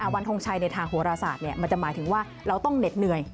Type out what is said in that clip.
วันทงชัยในทางโหรศาสตร์มันจะหมายถึงว่าเราต้องเหน็ดเหนื่อย